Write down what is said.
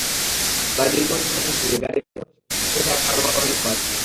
প্রায় দুই ঘণ্টার যাত্রা শেষে গাড়িবহর এসে পৌঁছায় সবুজে ঘেরা কালবা কর্নিস পার্কে।